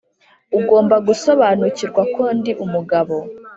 ugomba gusobanukirwa ko ndi umugabo